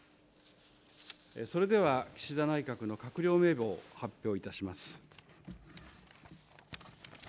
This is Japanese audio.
それでは岸田内閣の閣僚名簿を発表いたします。